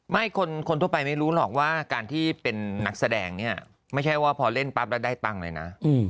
ไม่คนทั่วไปไม่รู้หรอกว่าการที่เป็นนักแสดงเนี่ยไม่ใช่ว่าพอเล่นปั๊บแล้วได้ตังค์เลยนะ